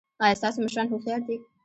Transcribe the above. ایا ستاسو مشران هوښیار دي؟